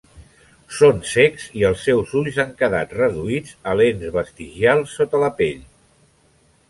Són cecs i els seus ulls han quedat reduïts a lents vestigials sota la pell.